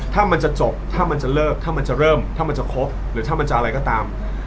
ถ้ามันจะจบถ้ามันจะเลิกถ้ามันจะเริ่มถ้ามันจะครบหรือถ้ามันจะอะไรก็ตาม